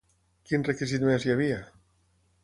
Quin requisit més hi havia?